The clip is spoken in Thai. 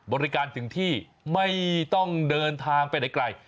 บริการถึงที่ไม่ต้องเดินทางไปไหนไกล